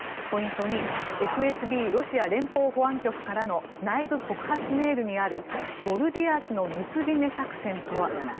ポイント２ＦＳＢ・ロシア連邦保安局からの内部告発メールにあるゴルディアスの結び目作戦とは。